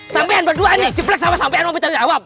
sampai berdua nih si black sama sampai yang mau bertanggung jawab